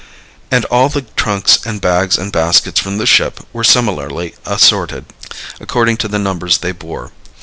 And all the trunks and bags and baskets from the ship were similarly assorted, according to the numbers they bore.